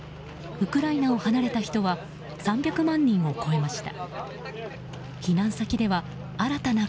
ウクライナを離れた人は３００万人を超えました。